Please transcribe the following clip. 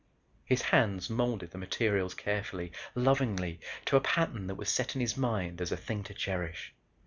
His hands molded the materials carefully, lovingly to a pattern that was set in his mind as a thing to cherish.